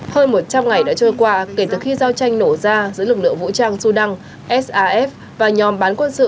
hơn một trăm linh ngày đã trôi qua kể từ khi giao tranh nổ ra giữa lực lượng vũ trang sudan saf và nhóm bán quân sự